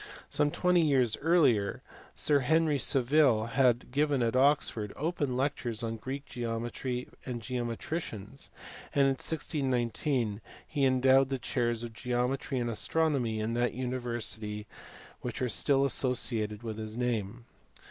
Some twenty years earlier Sir Henry Savile had given at Oxford open lectures on Greek geometry and geometricians, and in 1619 he endowed the chairs of geometry and astronomy in that university which are still associated with his name.